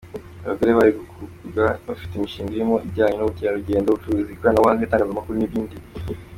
Abagore bari guhugurwa, bafite imishinga irimo ijyanye n’ubukerarugendo, ubucuruzi, ikoranabuhanga, itangazamakuru n’ibindi.